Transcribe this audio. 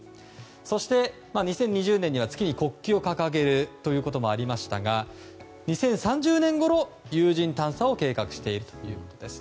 そして２０２０年には月に国旗を掲げるということもありましたが２０３０年ごろ、有人探査を計画しているということです。